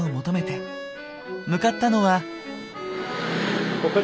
向かったのは。